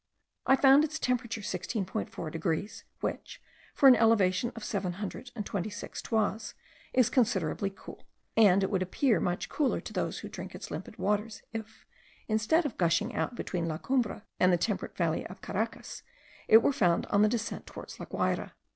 I found its temperature 16.4 degrees; which, for an elevation of seven hundred and twenty six toises, is considerably cool, and it would appear much cooler to those who drink its limpid water, if, instead of gushing out between La Cumbre and the temperate valley of Caracas, it were found on the descent towards La Guayra.